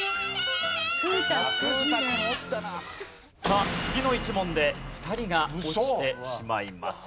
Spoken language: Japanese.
さあ次の１問で２人が落ちてしまいます。